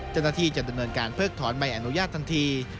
เจ้าหน้าที่จะดำเนินการเพิกถอนใบอนุญาตทันที